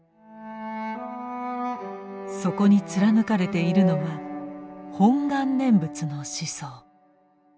そこに貫かれているのは「本願念仏」の思想。